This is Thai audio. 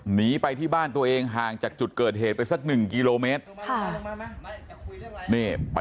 หนีไปที่บ้านตัวเองห่างจากจุดเกิดเหตุไปสัก๑กิโลเมตร